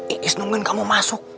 iis nungguin kamu masuk